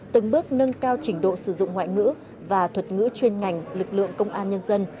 từng bước nâng cao trình độ sử dụng ngoại ngữ và thuật ngữ chuyên ngành lực lượng công an nhân dân